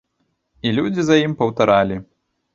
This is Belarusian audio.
І людзі за ім паўтаралі.